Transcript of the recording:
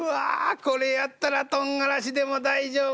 これやったらトンガラシでも大丈夫！」。